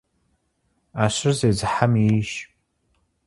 Iэщыр зезыхьэм ейщ.